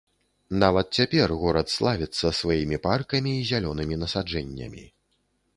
Нават цяпер горад славіцца сваімі паркамі і зялёнымі насаджэннямі.